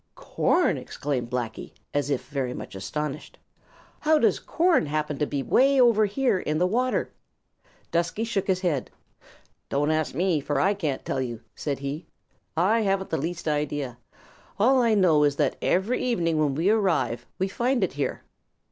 "Corn!" exclaimed Blacky, as if very much astonished. "How does corn happen to be way over here in the water?" Dusky shook his head. "Don't ask me, for I can't tell you," said he. "I haven't the least idea. All I know is that every evening when we arrive, we find it here.